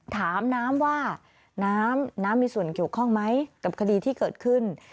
ถามน้ำว่าน้ำน้ำมีส่วนเกี่ยวข้องไหมกับคดีที่เกิดขึ้น